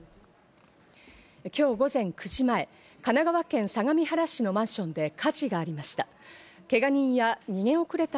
今日午前９時前、神奈川県相模原市のマンションで火事がありました。